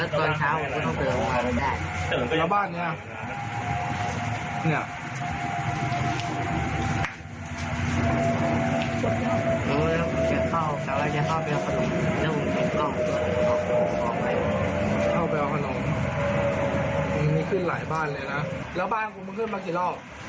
ตัวมึงขึ้นมากี่รอบ